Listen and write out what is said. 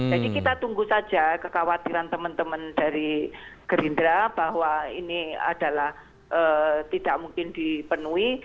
jadi kita tunggu saja kekhawatiran teman teman dari gerindra bahwa ini adalah tidak mungkin dipenuhi